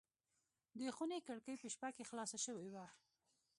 د خونې کړکۍ په شپه کې خلاصه شوې وه.